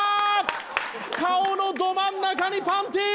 顔のど真ん中にパンティ！